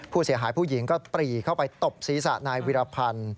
ผู้เสียหายผู้หญิงก็ปรีเข้าไปตบศีรษะนายวิรพันธ์